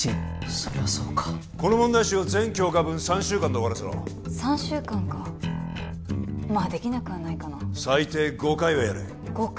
そりゃそうかこの問題集を全教科分３週間で終わらせろ３週間かまあできなくはないかな最低５回はやれ５回！？